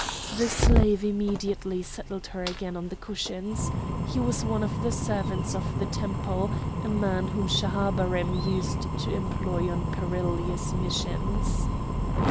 The slave immediately settled her again on the cushions. He was one of the servants of the Temple, a man whom Schahabarim used to employ on perilous missions.